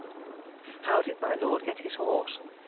'How did my lord get his horse?'